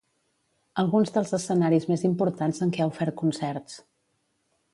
Alguns dels escenaris més importants en què ha ofert concerts.